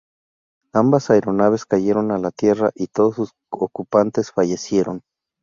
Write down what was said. Ambas aeronaves cayeron a la tierra y todos sus ocupantes fallecieron.